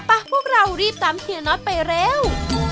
ไปเร็วป๊ะพวกเรารีบตามทีละน็อตไปเร็ว